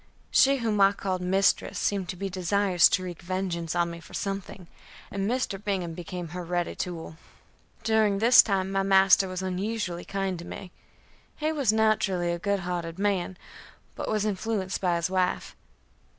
She whom I called mistress seemed to be desirous to wreak vengeance on me for something, and Bingham became her ready tool. During this time my master was unusually kind to me; he was naturally a good hearted man, but was influenced by his wife.